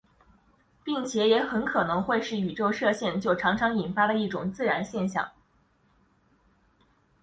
并且也很可能会是宇宙射线就常常引发的一种自然现象。